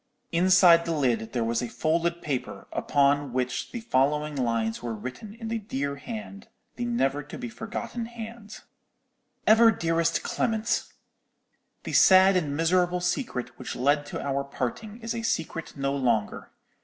"Inside the lid there was a folded paper, upon, which the following lines were written in the dear hand, the never to be forgotten hand: "'EVER DEAREST CLEMENT,—_The sad and miserable secret which led to our parting is a secret no longer.